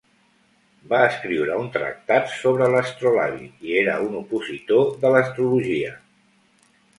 Va escriure un tractat sobre l'astrolabi i era un opositor de l'astrologia.